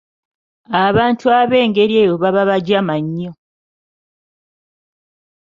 Abantu ab'engeri eyo baba bajama nnyo.